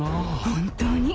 本当に。